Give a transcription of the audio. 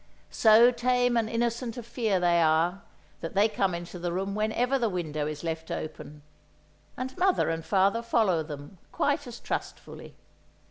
So tame and innocent of fear they are, that they come into the room whenever the window is left open; and mother and father follow them, quite as trustfully.